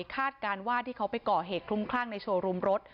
การว่าที่เขาไปก่อเหตุคลุมคลั่งในโชว์รูมรถ